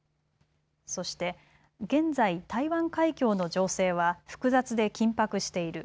そして現在、台湾海峡の情勢は複雑で緊迫している。